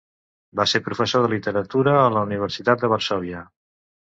Va ser professor de literatura a la Universitat de Varsòvia.